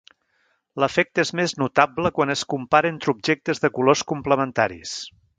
L'efecte és més notable quan es compara entre objectes de colors complementaris.